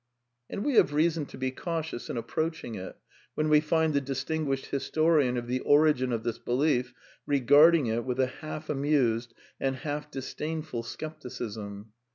And we have reason to be cautious in approaching it, when we find the distinguished historian of the origin of this belief r^arding it with a half amused and half dis dainful scepticism.